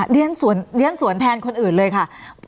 เรียนสวนแทนคนอื่นเลยค่ะ